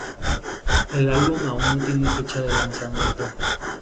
El álbum aún no tiene fecha de lanzamiento.